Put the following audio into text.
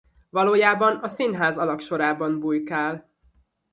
Valójában a színház alagsorában bujkál.